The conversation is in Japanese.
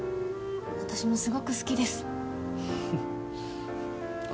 私もすごく好きですあ